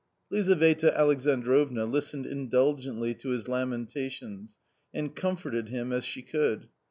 .— ^Lizaveta Alexandrovna listened indulgently to his lamen 1 tations and comforted him as she could.